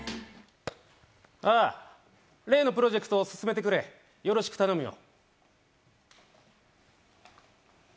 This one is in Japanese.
例のプロジェクトを進めてくれ、よろしく頼むよ。